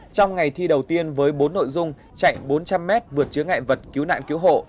trong ngày thi đầu tiên với bốn nội dung chạy bốn trăm linh m vượt chứa ngại vật cứu nạn cứu hộ